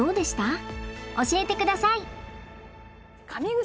教えてください！